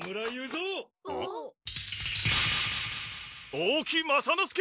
大木雅之助！